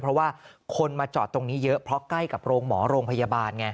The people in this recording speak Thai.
เพราะว่าคนมาจอดตรงนี้เยอะเพราะใกล้กับโรงหมอโรงพยาบาลไง